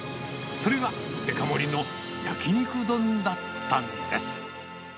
それがデカ盛りのやきにく丼だったんです。